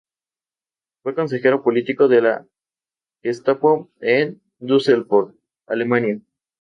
Fue Consejero político de la Gestapo en Dusseldorf, Alemania.